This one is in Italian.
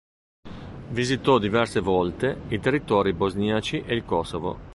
Visitò diverse volte i territori bosniaci e il Kosovo.